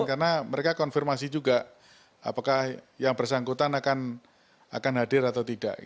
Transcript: karena mereka konfirmasi juga apakah yang bersangkutan akan hadir atau tidak